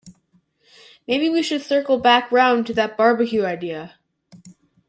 Maybe we should circle back round to that barbecue idea?